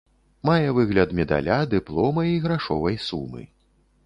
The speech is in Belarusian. Мае выгляд медаля, дыплома і грашовай сумы.